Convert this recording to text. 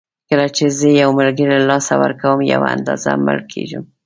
کله چې زه یو ملګری له لاسه ورکوم یوه اندازه مړ کېږم.